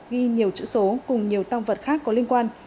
ghi nhiều chữ số cùng nhiều tăng vật khác có liên quan